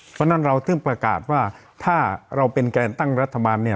เพราะฉะนั้นเราถึงประกาศว่าถ้าเราเป็นแกนตั้งรัฐบาลเนี่ย